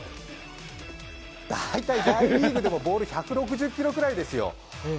大体、大リーグでもボールは１６０キロぐらいですよ。